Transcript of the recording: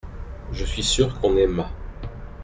Je suis sûr qu’on aima.